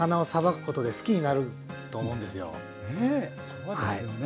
そうですよね。